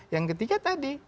yang ketiga tadi